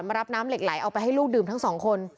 รับน้ำเหล็กไหลเอาไปให้ลูกดื่มทั้งสองคน